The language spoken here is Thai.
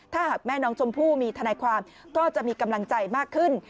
ถ้าหากแม่น้องชมพู่มีทนายความก็จะมีกำลังใจมากขึ้น